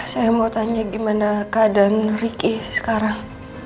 saya mau tanya gimana keadaan ricky sekarang